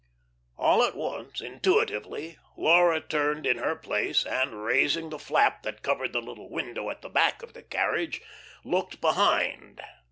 All at once, intuitively, Laura turned in her place, and raising the flap that covered the little window at the back of the carriage, looked behind.